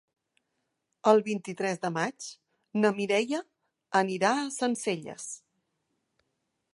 El vint-i-tres de maig na Mireia anirà a Sencelles.